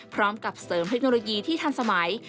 พร้อมกับเสริมเทคโนโลยีที่ทันสมัย